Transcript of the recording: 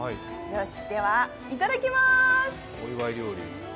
では、いただきまーす。